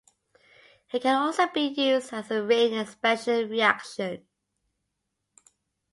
It can also be used as a ring-expansion reaction.